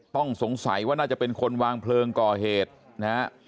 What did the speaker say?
ต้องสงสัยว่าน่าจะเป็นคนวางเพลิงก่อเหตุนะฮะ